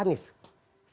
yang dideklarasi pak anies